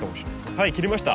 はい切りました。